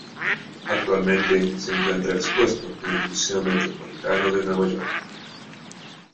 Actualmente se encuentra expuesto en el Museo Metropolitano de Nueva York.